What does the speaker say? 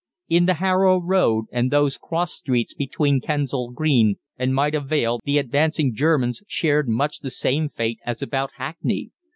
In the Harrow Road and those cross streets between Kensal Green and Maida Vale the advancing Germans shared much the same fate as about Hackney.